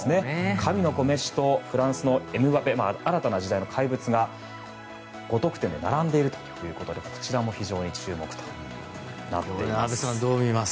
神の子メッシとフランスのエムバペ新たな時代の怪物が５得点で並んでいるということでこちらも非常に注目となっています。